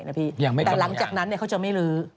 ยังไม่กำลังอย่างแต่หลังจากนั้นเขาจะไม่ลื้อ